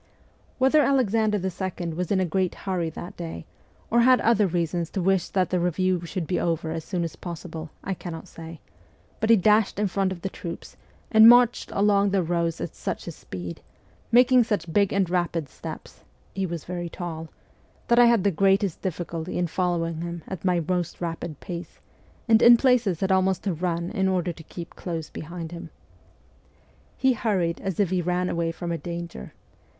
Whether Alexander II. was in a great hurry that THE CORPS OF PAGES 171 day, or had other reasons to wish that the review should be over as soon as possible, I cannot say, but he dashed in front of the troops, and marched along their rows at such a speed, making such big and rapid steps he was very tall that I had the greatest difficulty in following him at my most rapid pace, and in places had almost to run in order to keep close behind him. He hurried as if he ran away from a danger.